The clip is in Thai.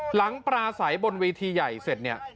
ปราศัยบนเวทีใหญ่เสร็จเนี่ย